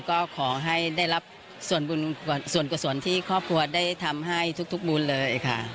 ก็ขอให้ได้รับส่วนบุญส่วนกุศลที่ครอบครัวได้ทำให้ทุกบุญเลยค่ะ